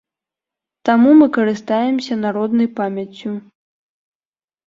Таму мы карыстаемся народнай памяццю.